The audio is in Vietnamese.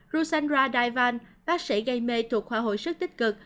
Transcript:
roussandra daivan bác sĩ gây mê thuộc khoa hội sức tích cực